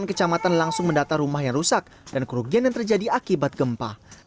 delapan kecamatan langsung mendata rumah yang rusak dan kerugian yang terjadi akibat gempa